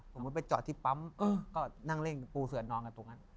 ผมก็ไปจอดที่ปั๊มก็นั่งเร่งปูเสือนอนกันตรงนั้น